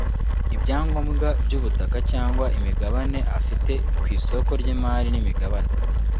ibyangombwa by’ubutaka cyangwa imigabane afite ku isoko ry’imari n’imigabane